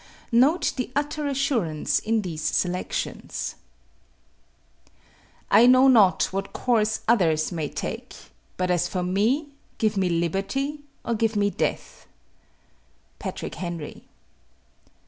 Note the utter assurance in these selections: I know not what course others may take, but as for me give me liberty or give me death. PATRICK HENRY.